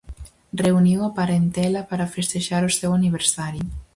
Reuniu a parentela para festexar o seu aniversario.